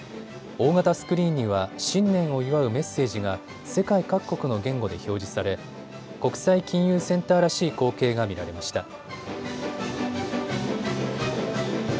大型スクリーンには新年を祝うメッセージが世界各国の言語で表示され国際金融センターらしい光景が見られました。